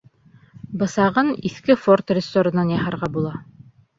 Бысағын иҫке «Форд» рессорынан яһарға була.